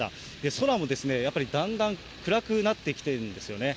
空もやっぱりだんだん暗くなってきているんですよね。